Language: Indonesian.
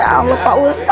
ya allah pak ustaz